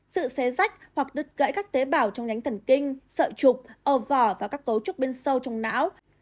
sự xé rách hoặc đứt gãy các tế bảo trong nhánh thần kinh sợi trục ờ vỏ và các cấu trúc bên sâu trong não